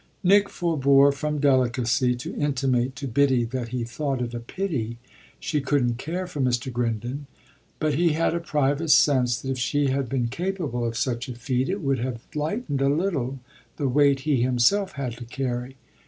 Nick forbore from delicacy to intimate to Biddy that he thought it a pity she couldn't care for Mr. Grindon; but he had a private sense that if she had been capable of such a feat it would have lightened a little the weight he himself had to carry.